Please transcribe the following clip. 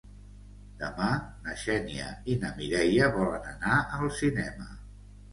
Demà na Xènia i na Mireia volen anar al cinema.